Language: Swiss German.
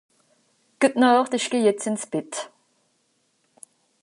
Gutnacht isch geh jetzt ins Bett